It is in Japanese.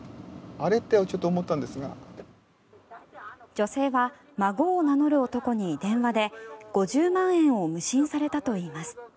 女性は孫を名乗る男に電話で５０万円を無心されたといいます。